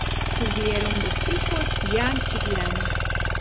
Tuvieron dos hijos: Ian y Glen.